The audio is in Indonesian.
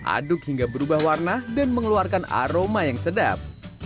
aduk hingga berubah warna dan mengeluarkan aroma yang sedap